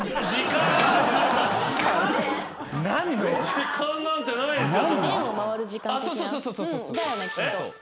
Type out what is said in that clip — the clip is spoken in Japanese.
時間なんてないですよ。